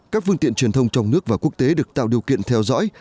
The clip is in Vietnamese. các phương tiện truyền thông trong nước và quốc tế được tạo điều kiện theo dõi